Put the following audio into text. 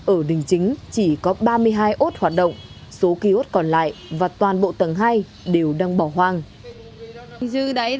ở đình chính chỉ có ba mươi hai ốt hoạt động số ký ốt còn lại và toàn bộ tầng hai đều đang bỏ hoang